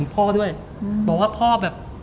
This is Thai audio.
พ่อด้วยบอกว่าพ่อแบบ